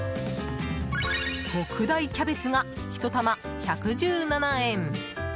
特大キャベツが、１玉１１７円。